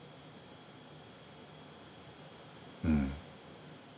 うん。